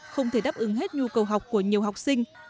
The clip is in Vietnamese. không thể đáp ứng hết nhu cầu học của nhiều học sinh